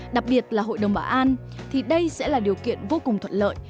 đặc biệt là hội đồng bảo an thì đây sẽ là điều kiện vô cùng thuận lợi